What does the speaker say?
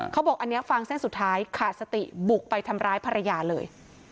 เขาบอกอันนี้ฟังเส้นสุดท้ายขาดสติบุกไปทำร้ายภรรยาเลย